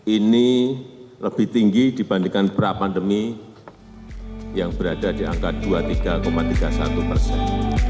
ini lebih tinggi dibandingkan pra pandemi yang berada di angka dua puluh tiga tiga puluh satu persen